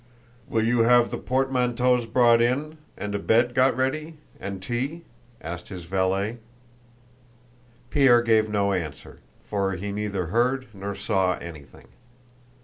"Will you have the portmanteaus brought in? And a bed got ready, and tea?" asked his valet. Pierre gave no answer, for he neither heard nor saw anything.